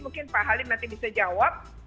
mungkin pak halim nanti bisa jawab